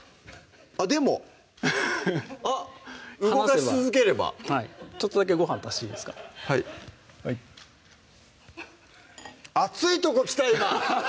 あっでもあっ動かし続ければはいちょっとだけごはん足していいですかはいはい熱いとこ来た今！